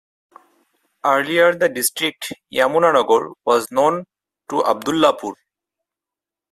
Earlier The district Yamunanagar was known to Abdullapur.